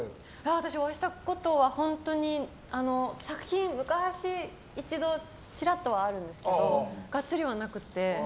私、お会いしたことは本当に昔一度ちらっとはあるんですけどガッツリはなくて。